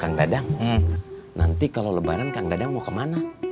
kang dadang nanti kalau lebaran kang dadang mau kemana